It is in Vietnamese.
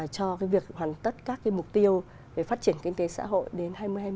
cho việc hoàn tất các mục tiêu về phát triển kinh tế xã hội đến hai nghìn hai mươi